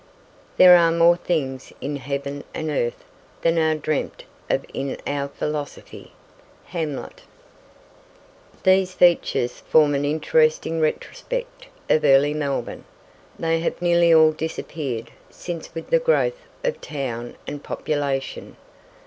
"There are more things in heaven and earth Than are dreamt of in our philosophy." Hamlet These features form an interesting retrospect of early Melbourne. They have nearly all disappeared since with the growth of town and population.